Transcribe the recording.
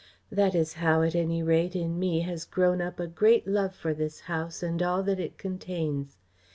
That is how, at any rate, in me has grown up a great love for this house and all that it contains.